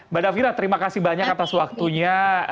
mbak davira terima kasih banyak atas waktunya